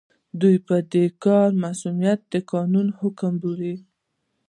دوی د دې کار مصؤنيت د قانون حکم بولي.